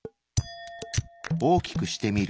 大きくしてみる。